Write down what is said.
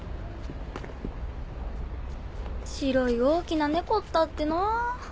白い大きな猫ったってな。